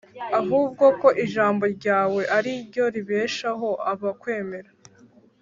ahubwo ko ijambo ryawe ari ryo ribeshaho abakwemera.